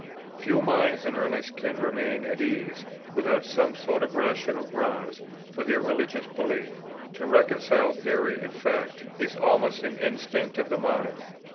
Few minds in earnest can remain at ease without some sort of rational grounds for their religious belief; to reconcile theory and fact is almost an instinct of the mind.